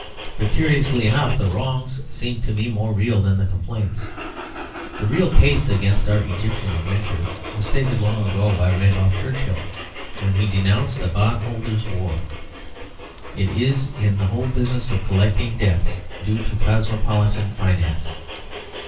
But curiously enough the wrongs seem to me more real than the complaints. The real case against our Egyptian adventure was stated long ago by Randolph Churchill, when he denounced "a bondholder's war"; it is in the whole business of collecting debts due to cosmopolitan finance.